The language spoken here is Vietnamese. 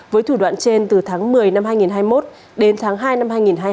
với thủ đoạn trên từ tháng một mươi năm hai nghìn hai mươi một đến tháng hai năm hai nghìn hai mươi hai